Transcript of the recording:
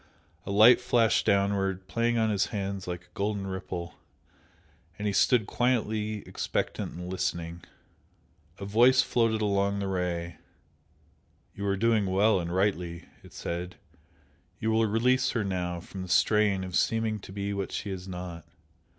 A light flashed downward, playing on his hands like a golden ripple, and he stood quietly expectant and listening. A Voice floated along the Ray "You are doing well and rightly!" it said "You will release her now from the strain of seeming to be what she is not.